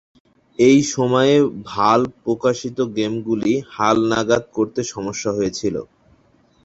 এই সময়ে, ভালভ প্রকাশিত গেমগুলি হালনাগাদ করতে সমস্যা হয়েছিল।